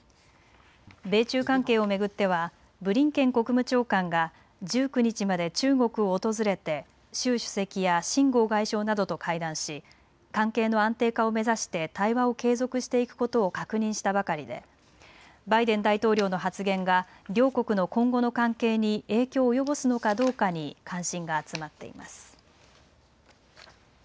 米中関係を巡ってはブリンケン国務長官が１９日まで中国を訪れて習主席や秦剛外相などと会談し関係の安定化を目指して対話を継続していくことを確認したばかりでバイデン大統領の発言が両国の今後の関係に影響を及ぼすのかどうかに関心が集まっています。